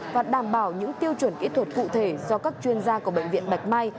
và đảm bảo những tiêu chuẩn kỹ thuật cụ thể do các chuyên gia của bệnh viện bạch mai